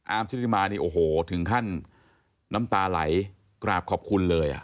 ชุติมานี่โอ้โหถึงขั้นน้ำตาไหลกราบขอบคุณเลย